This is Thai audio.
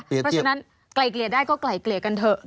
เพราะฉะนั้นไกลเกลี่ยได้ก็ไกลเกลี่ยกันเถอะ